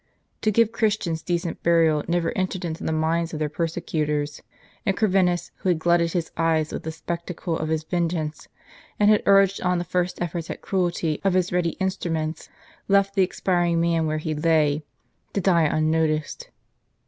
To give Christians decent burial never entered into the minds of their persecu tors ; and Corvinus, who had glutted his eyes with the spec tacle of his vengeance, and had urged on the first efforts at cruelty of his ready ins truments, left the expiring man where he lay, to die unnoticed.